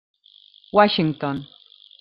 Washington.